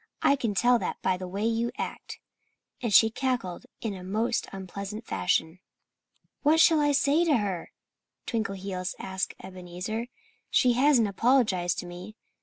I can tell that by the way you act." And she cackled in a most unpleasant fashion. "What shall I say to her?" Twinkleheels asked Ebenezer. "She hasn't apologized to me."